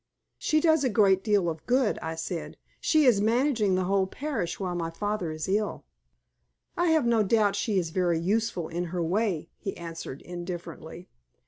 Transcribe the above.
"She does a great deal of good," I said. "She is managing the whole parish while my father is ill." "I have no doubt she is very useful in her way," he answered, indifferently.